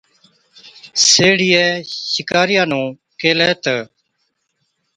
سيهڙِيئَي شِڪارِيئا نُون ڪيهلَي تہ،